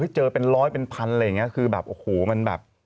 เจอเป็นร้อยเป็นพันอะไรอย่างนี้คือแบบโอ้โหมันแบบ